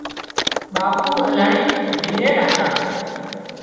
ٻاپو الاهي دلير هتا